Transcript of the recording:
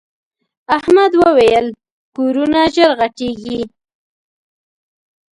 احمد وويل: کورونه ژر غټېږي.